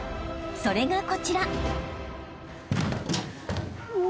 ［それがこちら］